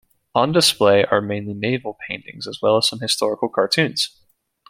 On display are mainly naval paintings as well as some historical cartoons.